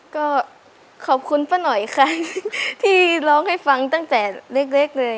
ก็ขอบคุณป้าหน่อยค่ะที่ร้องให้ฟังตั้งแต่เล็กเลย